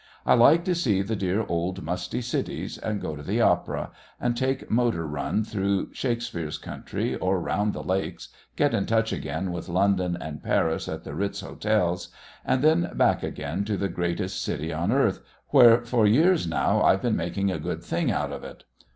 I like to see the dear old musty cities, and go to the Opera, and take a motor run through Shakespeare's country or round the Lakes, get in touch again with London and Paris at the Ritz Hotels and then back again to the greatest city on earth, where for years now I've been making a good thing out of it.